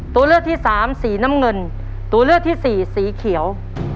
ตัวเลือกที่สามสีน้ำเงินตัวเลือกที่สี่สีเขียว